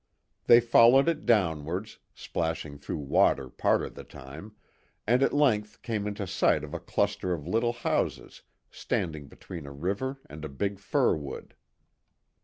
They followed it downwards, splashing through water part of the time, and at length came into sight of a cluster of little houses standing between a river and a big fir wood.